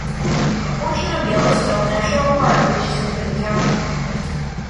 A portion of Yellowstone National Park reaches into the county.